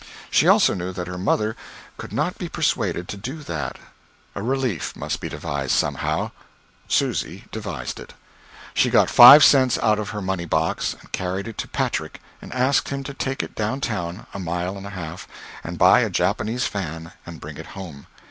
She also knew that her mother could not be persuaded to do that. A relief most be devised somehow; Susy devised it. She got five cents out of her money box and carried it to Patrick, and asked him to take it down town (a mile and a half) and buy a Japanese fan and bring it home.